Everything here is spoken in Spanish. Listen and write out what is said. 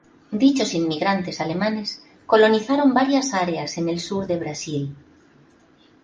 Dichos inmigrantes alemanes colonizaron varias áreas en el Sur de Brasil.